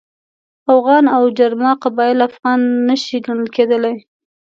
اوغان او جرما قبایل افغانان نه شي ګڼل کېدلای.